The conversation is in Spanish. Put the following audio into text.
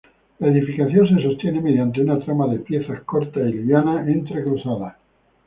La edificación se sostiene mediante una trama de piezas cortas y livianas entrecruzadas.